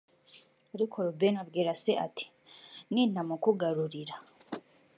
ariko rubeni abwira se ati “nintamukugarurira…”